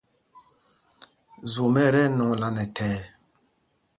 Zwom ɛ tí ɛnɔŋla nɛ thɛɛ.